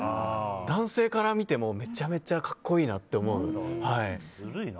男性から見てもめちゃめちゃ格好いいなと思う。